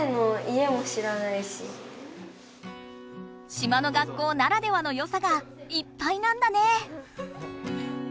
島の学校ならではのよさがいっぱいなんだね！